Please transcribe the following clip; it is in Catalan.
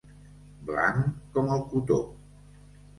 Blanc com el cotó.